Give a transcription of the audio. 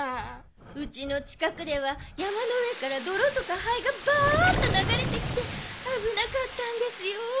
うちのちかくでは山のうえからどろとかはいがバッとながれてきてあぶなかったんですよ。